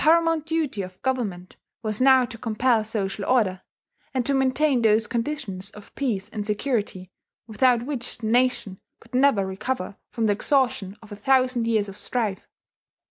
The paramount duty of government was now to compel social order, and to maintain those conditions of peace and security without which the nation could never recover from the exhaustion of a thousand years of strife.